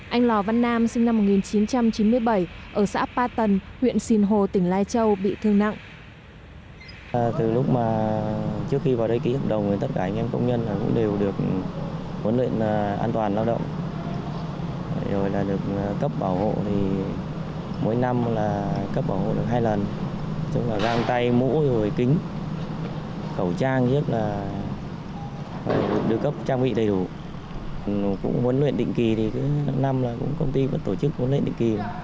anh lò văn nam sinh năm một nghìn chín trăm chín mươi bảy ở xã pa tần huyện xìn hồ tỉnh lai châu bị thương nặng